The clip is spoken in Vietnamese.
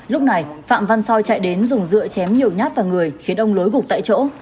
lúc này phạm văn xoay chạy đến dùng rượu chém nhiều nhát vào người khiến ông lối gục tại chỗ